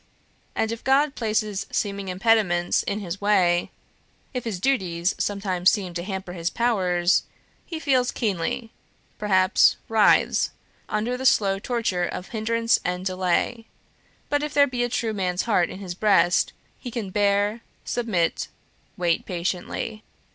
And if God places seeming impediments in his way if his duties sometimes seem to hamper his powers he feels keenly, perhaps writhes, under the slow torture of hindrance and delay; but if there be a true man's heart in his breast, he can bear, submit, wait patiently.